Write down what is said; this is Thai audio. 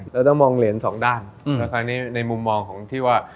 เราต้องมองเหรียญสองด้านแล้วคราวนี้ในมุมมองของที่ว่า